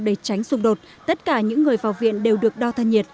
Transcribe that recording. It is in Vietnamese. để tránh xung đột tất cả những người vào viện đều được đo thân nhiệt